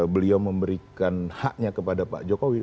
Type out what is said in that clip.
beliau memberikan haknya kepada pak jokowi